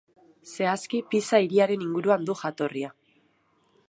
Zehazki Pisa hiriaren inguruan du jatorria.